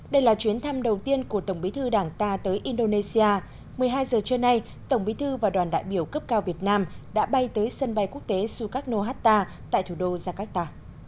đây là chuyến thăm đầu tiên của tổng bí thư đảng ta tới indonesia một mươi hai giờ trưa nay tổng bí thư và đoàn đại biểu cấp cao việt nam đã bay tới sân bay quốc tế sukarno hatta tại thủ đô jakarta